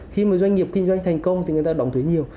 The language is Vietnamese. khi mà doanh nghiệp kinh doanh thành công thì người ta đóng thuế nhiều